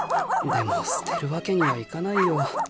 でも捨てるわけにはいかないよ。